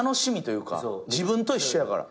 自分と一緒やから。